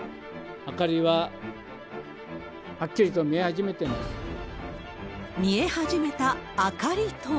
明かりははっきりと見え始めています。